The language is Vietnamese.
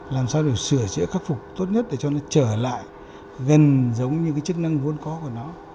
làm sao để sửa chữa khắc phục tốt nhất để cho nó trở lại gần giống như cái chức năng vốn có của nó